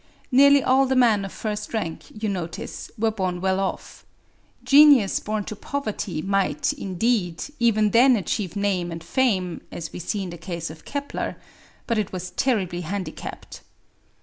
Nearly all the men of first rank, you notice, were born well off. Genius born to poverty might, indeed, even then achieve name and fame as we see in the case of Kepler but it was terribly handicapped.